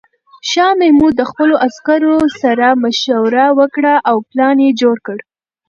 شاه محمود د خپلو عسکرو سره مشوره وکړه او پلان یې جوړ کړ.